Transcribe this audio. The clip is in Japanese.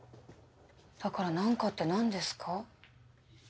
だからなんかってなんですか？